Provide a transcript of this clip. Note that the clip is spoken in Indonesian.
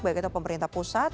baik itu pemerintah pusat